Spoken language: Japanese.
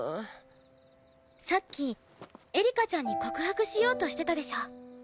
さっきエリカちゃんに告白しようとしてたでしょ？